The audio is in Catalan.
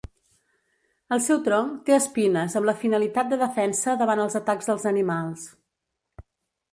El seu tronc té espines amb la finalitat de defensa davant els atacs dels animals.